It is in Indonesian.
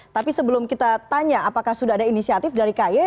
tapi sebelum kita tanya apakah sudah ada inisiatif dari kaye